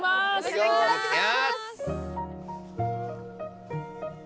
いただきます！